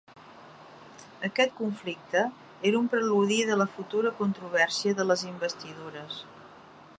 Aquest conflicte era un preludi de la futura Controvèrsia de les Investidures.